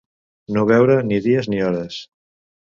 No veure ni dies ni hores.